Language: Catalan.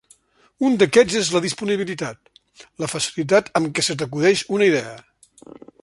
Un d'aquests és la "disponibilitat": la facilitat amb què se t'acudeix una idea.